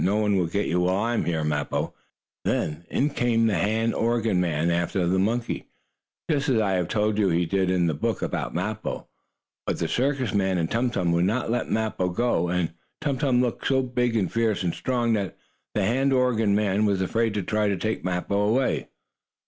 "No one will get you while I am here, Mappo," and Tum Tum swung his long trunk. Then in came the hand organ man after the monkey, just as I have told you he did in the book about Mappo. But the circus men and Tum Tum would not let Mappo go. And Tum Tum looked so big and fierce and strong that the hand organ man was afraid to try to take Mappo away.